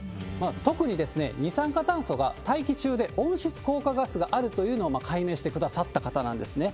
特に二酸化炭素が大気中で温室効果ガスがあるというのを解明してくださった方なんですね。